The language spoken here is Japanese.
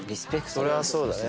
それはそうだね。